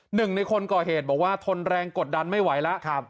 หนึ่งในคนก่อเหตุบอกว่าทนแรงกดดันไม่ไหวแล้ว